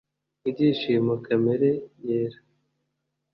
ibyishimo, kamere yera